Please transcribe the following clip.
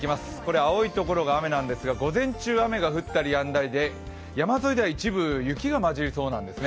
青いところが雨なんですが、午前中、雨が降ったりやんだりで山沿いでは一部雪が混じりそうなんですね。